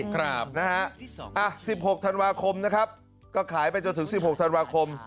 ครับนะฮะ๑๖ธันวาคมนะครับก็ขายไปจนถึง๑๖ธันวาคม